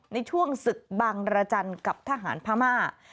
ในช่วงศึกบังรจันทร์กับทหารพม่า